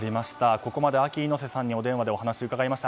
ここまでＡＫＩ猪瀬さんにお電話でお話を伺いました。